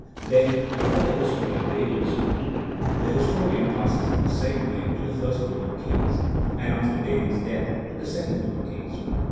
Then, before the history of David is concluded, the historian passes in the same way to the first book of Kings, and, after David's death, to the second book of Kings.